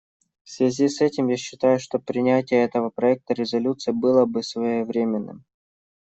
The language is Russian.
В связи с этим я считаю, что принятие этого проекта резолюции было бы своевременным.